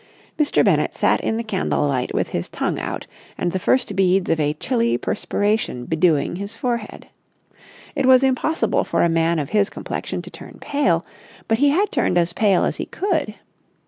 Mr. Bennett sat in the candlelight with his tongue out and the first beads of a chilly perspiration bedewing his forehead. It was impossible for a man of his complexion to turn pale, but he had turned as pale as he could.